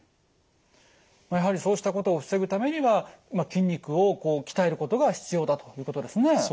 やはりそうしたことを防ぐためには筋肉を鍛えることが必要だということですね。